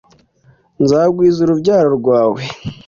Nzagwiza urubyaro rwawe